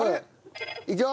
いくよ。